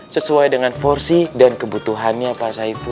sesuai dengan porsi dan kebutuhannya pak saipu